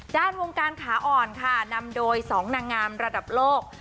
ด้านวงการขาอ่อนค่ะนำโดย๒นางงามระดับโลก